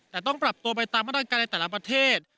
แต่ต้องปรับตัวไปตามมาตรการในแต่ละประเทศ